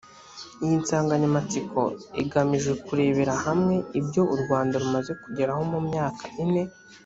iyi nsanganyamatsiko igamije kurebera hamwe ibyo u rwanda rumaze kugeraho mu myaka ine.